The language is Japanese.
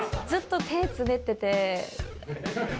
ずっと手つねってて。